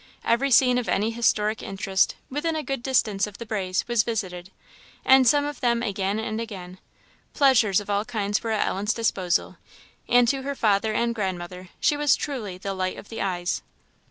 Every scene of any historic interest, within a good distance of "the Braes," was visited, and some of them again and again. Pleasures of all kinds were at Ellen's disposal; and to her father and grandmother she was truly the light of the eyes.